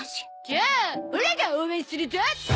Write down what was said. じゃあオラが応援するゾ！